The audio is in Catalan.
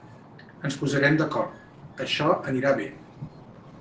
Ens posarem d’acord, això anirà bé.